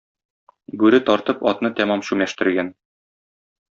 Бүре тартып атны тәмам чүмәштергән.